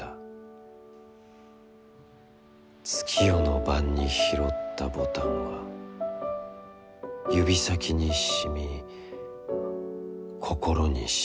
月夜の晩に、拾ったボタンは指先に沁み、心に沁みた。